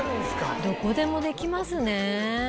どこでもできますね。